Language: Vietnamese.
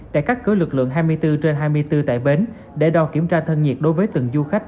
tại các cửa lực lượng hai mươi bốn trên hai mươi bốn tại bến để đo kiểm tra thân nhiệt đối với từng du khách